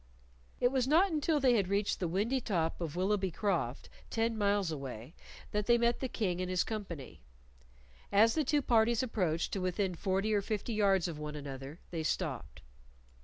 It was not until they had reached the windy top of Willoughby Croft, ten miles away, that they met the King and his company. As the two parties approached to within forty or fifty yards of one another they stopped.